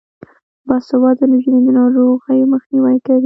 باسواده نجونې د ناروغیو مخنیوی کوي.